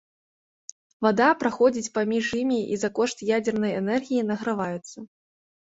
Вада праходзіць паміж імі і за кошт ядзернай энергіі награваецца.